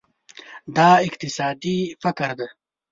دا اقتصادي فقر ده.